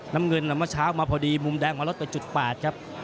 น้ำเงินเมื่อเช้ามาพอดีมุมแดงมาลดไปจุด๘ครับ